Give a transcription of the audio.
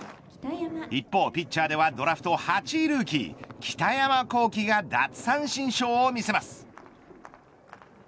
一方ピッチャーではドラフト８位ルーキー北山亘基が奪三振ショーを見せます。